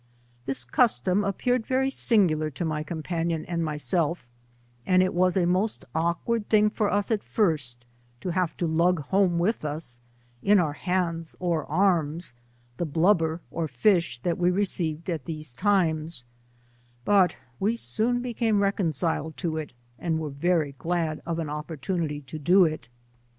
This custom appeared very singulaii to my companion and myself, and it was a most awkwaul thing for us at first, to have to lug home with us, in our hands or arms, the blnbber or fish that we received at these times, but we soon became reconciled to it, and were very glad of an opportunity to do it.